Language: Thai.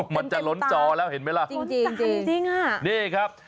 มันจะล้นจอแล้วเห็นมั้ยล่ะ